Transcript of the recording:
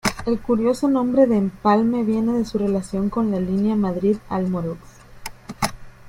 El curioso nombre de "Empalme" viene de su relación con la línea Madrid-Almorox.